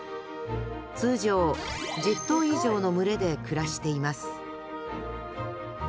通常１０頭以上の群れで暮らしています